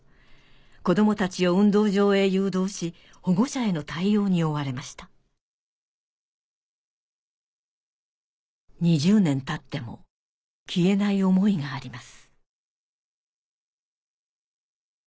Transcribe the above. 子どもたちを運動場へ誘導し保護者への対応に追われました２０年たっても消えない思いがあります